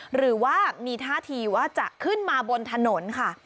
หรือว่ามีท่าทีว่าจะขึ้นมาบนถนนค่ะ